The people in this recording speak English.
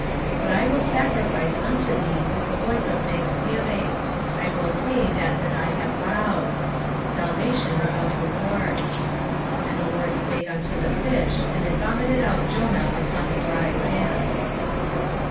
2:9 But I will sacrifice unto thee with the voice of thanksgiving; I will pay that that I have vowed. Salvation is of the LORD. 2:10 And the LORD spake unto the fish, and it vomited out Jonah upon the dry land.